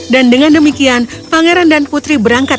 dan dengan demikian pangeran dan putri berangkat